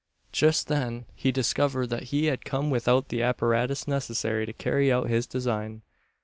Just then he discovered that he had come without the apparatus necessary to carry out his design.